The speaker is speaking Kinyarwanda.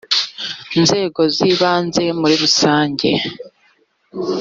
nzego z ibanze muri rusange